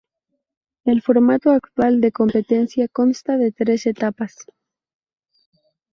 El formato actual de competencia consta de tres etapas.